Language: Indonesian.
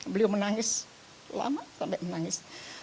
beliau menangis lama sampai menangis